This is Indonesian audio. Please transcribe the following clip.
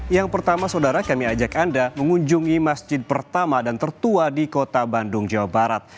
yang pertama saudara kami ajak anda mengunjungi masjid pertama dan tertua di kota bandung jawa barat